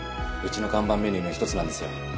うちの看板メニューの一つなんですよ。